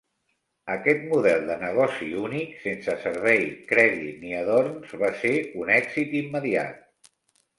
Aquest model de negoci únic, sense servei, crèdit ni adorns va ser un èxit immediat.